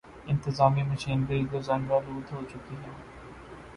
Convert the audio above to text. انتظامی مشینری گو زنگ آلود ہو چکی ہے۔